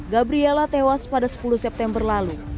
gabriela tewas pada sepuluh september lalu